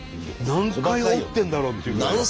何回折ってんだろうっていうぐらい。